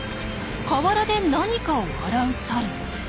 河原で何かを洗うサル。